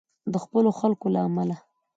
د خپلو خلکو له امله.